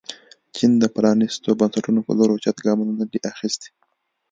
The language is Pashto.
چین د پرانیستو بنسټونو په لور اوچت ګامونه نه دي اخیستي.